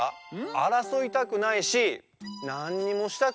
あらそいたくないしなんにもしたくないっていったんだよ。